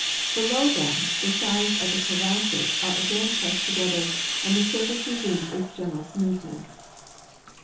Below them the sides of the crevasses are again pressed together, and the surface resumes its general smoothness.